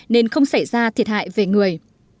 nên không xảy ra thiệt hại về người